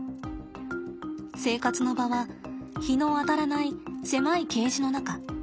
生活の場は日の当たらない狭いケージの中。